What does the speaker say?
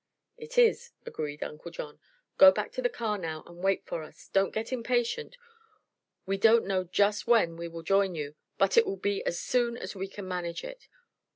"It is," agreed Uncle John. "Go back to the car now, and wait for us. Don't get impatient. We don't know just when we will join you, but it will be as soon as we can manage it.